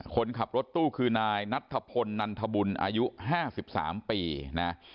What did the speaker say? คนขับรถตู้คือนายนัทธพลนันทบุญอายุ๕๓ปีนะ